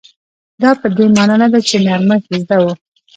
دا په دې مانا نه ده چې نرمښت زده و.